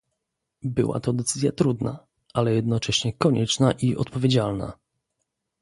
Była to decyzja trudna, ale jednocześnie konieczna i odpowiedzialna